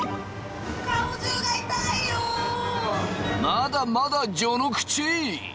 まだまだ序の口！